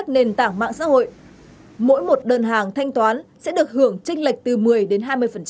nền tảng mạng xã hội mỗi một đơn hàng thanh toán sẽ được hưởng tranh lệch từ một mươi đến hai mươi